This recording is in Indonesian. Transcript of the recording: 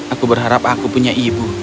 aku berharap aku punya ibu